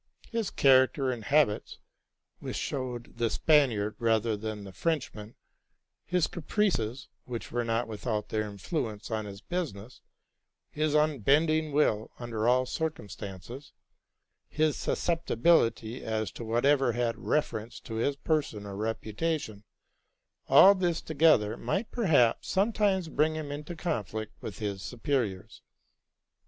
His character and habits, which showed the Spaniard rather than the French man; his caprices, which were not without their influence on his business; his unbending will under all circumstances ; his susceptibility as to whatever had reference to his person or reputation, —all this together might perhaps sometimes RELATING TO MY LIFE. 91 bring him into conflict with his superiors.